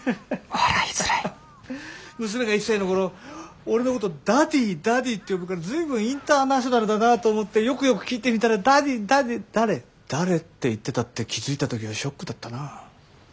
笑いづらい娘が１歳の頃俺のこと「ダディーダディー」って呼ぶから随分インターナショナルだなと思ってよくよく聞いてみたら「ダディーダディだれ誰？」って言ってたって気付いた時はショックだったな。